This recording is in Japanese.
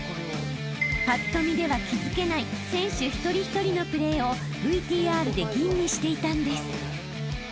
［ぱっと見では気付けない選手一人一人のプレーをＶＴＲで吟味していたんです］